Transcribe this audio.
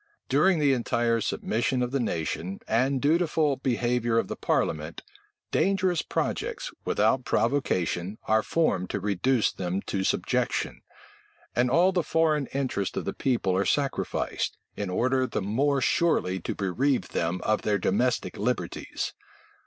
During the entire submission of the nation, and dutiful behavior of the parliament, dangerous projects, without provocation, are formed to reduce them to subjection; and all the foreign interests of the people are sacrificed, in order the more surely to bereave them of their domestic liberties.